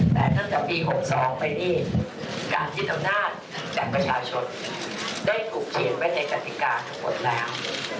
แต่ตั้งแต่ปี๖๒ไปนี่การยึดอำนาจจากประชาชนได้ถูกเขียนไว้ในกติกาทั้งหมดแล้ว